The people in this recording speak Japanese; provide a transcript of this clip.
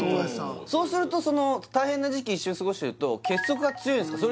そうするとその大変な時期一緒に過ごしてると結束が強いんですか？